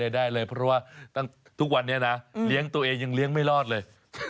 ได้เลยเพราะว่าทุกวันนี้นะเลี้ยงตัวเองยังเลี้ยงไม่รอดเลย